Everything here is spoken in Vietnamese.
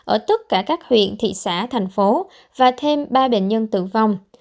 ở tất cả các huyện thị xã thành phố và thêm ba bệnh nhân tử vong